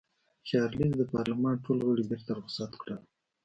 چارلېز د پارلمان ټول غړي بېرته رخصت کړل.